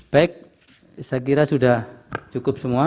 baik saya kira sudah cukup semua